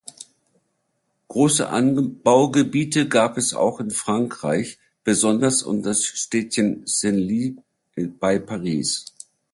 Große Anbaugebiete gab es auch in Frankreich, besonders um das Städtchen Senlis bei Paris.